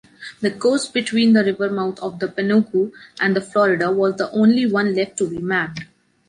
The coast between the river mouth of the Pánuco and the Florida was the only one left to be mapped.